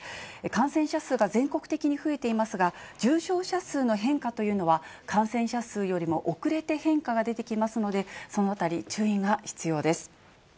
感染者数が全国的に増えていますが、重症者数の変化というのは、感染者数よりも遅れて変化が出てきますので、そのあたり、注意が必要です。